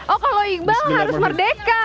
oh kalau iqbal harus merdeka